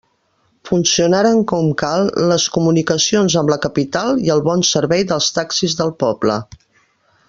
Funcionaren com cal les comunicacions amb la capital i el bon servei dels taxis del poble.